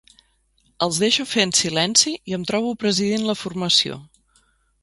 Els deixo fer en silenci i em trobo presidint la formació.